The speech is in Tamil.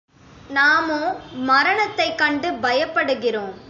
நாமோ மரணத்தைக் கண்டு பயப்படுகிறோம்.